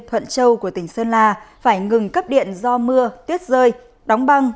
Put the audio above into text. thuận châu của tỉnh sơn la phải ngừng cấp điện do mưa tuyết rơi đóng băng